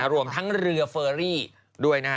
รวมทั้งเรือเฟอรี่ด้วยนะฮะ